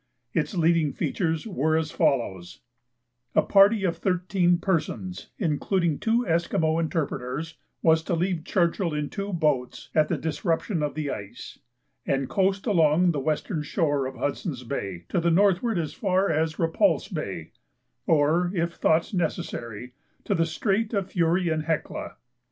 Its leading features were as follows: A party of thirteen persons, including two Esquimaux interpreters, was to leave Churchill in two boats at the disruption of the ice, and coast along the western shore of Hudson's Bay to the northward as far as Repulse Bay; or, if thought necessary, to the Strait of the Fury and Hecla.